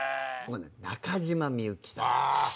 中島みゆきさん。